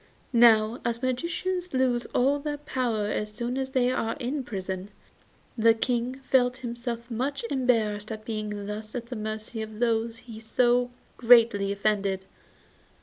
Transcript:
Now as magicians lose all their power as soon as they are in prison, the King felt himself much embarrassed at being thus at the mercy of those he had so greatly offended.